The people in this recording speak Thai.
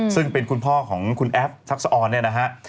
ซึ่งเป็นคุณพ่อของคุณแอฟทักษะออนเนี่ยนะฮะ